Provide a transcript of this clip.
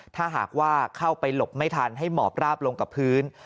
ถ้าหากว่าเข้าไปหลบไม่ทันให้หมอบราบลงกับพื้น